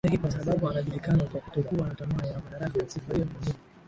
yake Kwa sababu anajulikana kwa kutokuwa na tamaa ya madaraka sifa hiyo ni muhimu